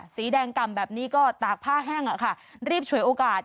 สีแดงกล่ำแบบนี้ก็ตากผ้าแห้งรีบฉวยโอกาส